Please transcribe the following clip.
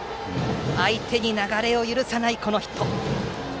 相手に流れを許さないヒット。